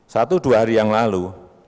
satu dua hari yang lalu